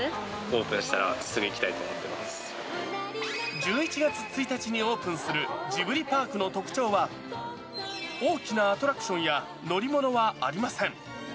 オープンしたら、１１月１日にオープンするジブリパークの特徴は、大きなアトラクションや乗り物はありません。